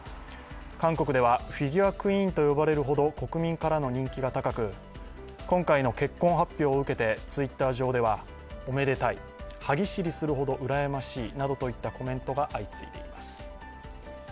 韓国ではフィギュア・クイーンと呼ばれるほど国民からの人気が高く、今回の結婚発表を受けて、Ｔｗｉｔｔｅｒ上ではおめでたい、歯ぎしりするほどうらやましいなどといったコメントが相次いでいます。